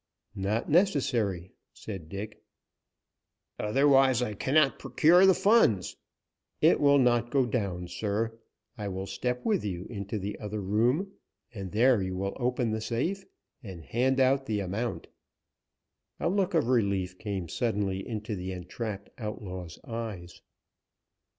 "Not necessary," said Dick. "Otherwise I cannot procure the funds " "It will not go down, sir. I will step with you into the other room, and there you will open the safe and hand out the amount." A look of relief came suddenly into the entrapped outlaw's eyes.